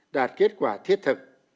đạt kết quả thiết thực